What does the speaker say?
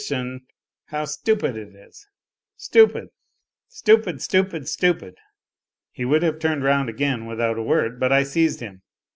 ion how stupid it is stupid, stupid, stupid, stupid 1 "... He would have turned round again without a word, but I seized him.